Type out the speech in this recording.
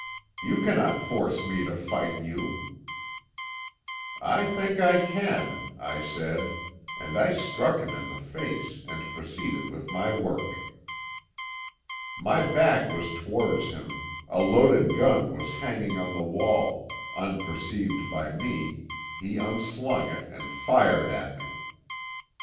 You cannot force me to fight you.' "'I think I can,' I said, and I struck him in the face, and proceeded with my work. "My back was towards him; a loaded gun was hanging on the wall; unperceived by me he unslung it, and fired at me.